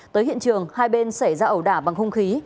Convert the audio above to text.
tới hiện trường hai bên xảy ra ẩu đả bằng hung khí